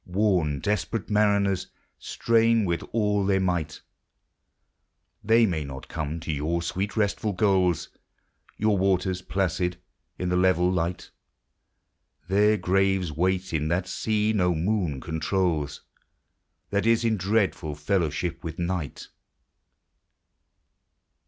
'2V Worn, desperate mariners strain with all their might : They may not come to your sweet restful goals, Your waters placid in the level light :— Their graves wait in that sea no moon controls, That is in dreadful fellowship with Night.